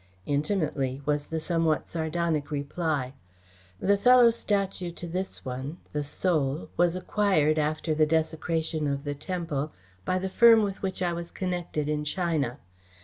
"Intimately," was the somewhat sardonic reply. "The fellow statue to this one the Soul was acquired, after the desecration of the temple, by the firm with which I was connected in China.